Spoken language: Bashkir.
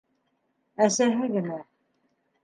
Әсәһе генә: